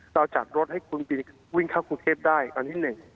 เราจัดรถให้คุณบินวิ่งเข้ากรุงเทพได้อันที่หนึ่ง